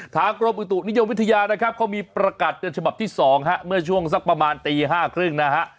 กรมอุตุนิยมวิทยานะครับเขามีประกาศเป็นฉบับที่๒ฮะเมื่อช่วงสักประมาณตี๕๓๐นะฮะ